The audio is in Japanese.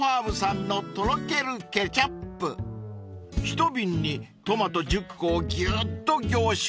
［一瓶にトマト１０個をぎゅっと凝縮］